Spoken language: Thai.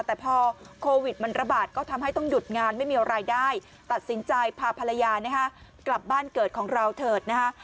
แต่พอโควิดมันระบาดก็ทำให้ต้องหยุดงานไม่มีรายได้ตัดสินใจพาภรรยานะฮะกลับบ้านเกิดของเราเถิดนะฮะ